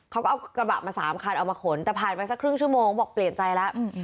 เขาก็เอากระบะมา๓คันเอามาขนแต่ผ่านไปสักครึ่งชั่วโมงเขาบอกเปลี่ยนใจแล้ว